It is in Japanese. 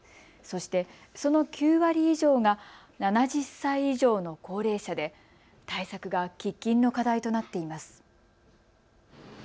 そして、その９割以上が７０歳以上の高齢者で対策が喫緊の課題となっています。